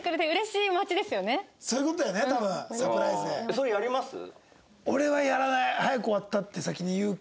それやります？